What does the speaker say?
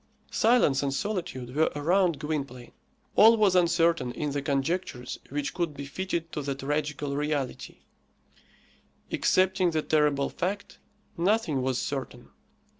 Silence and solitude were around Gwynplaine. All was uncertain in the conjectures which could be fitted to the tragical reality; excepting the terrible fact, nothing was certain.